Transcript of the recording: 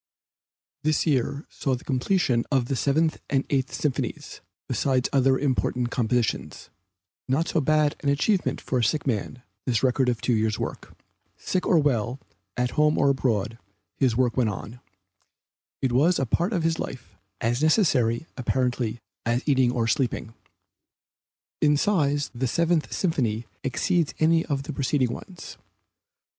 This year saw the completion of the Seventh and Eighth Symphonies besides other important compositions; not so bad an achievement for a sick man, this record of two years' work. Sick or well, at home or abroad, his work went on; it was a part of his life, as necessary, apparently, as eating or sleeping. In size the Seventh Symphony exceeds any of the preceding ones.